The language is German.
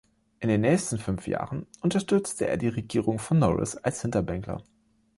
In den nächsten fünf Jahren unterstützte er die Regierung von Norris als Hinterbänkler.